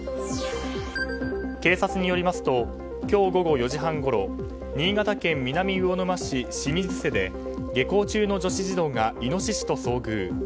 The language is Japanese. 警察によりますと今日午後４時半ごろ新潟県南魚沼市清水瀬で下校中の女子児童がイノシシと遭遇。